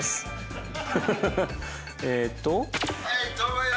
えっと。